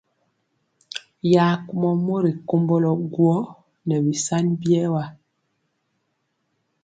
Ya kumɔ mori komblo guó nɛ bisani biewa.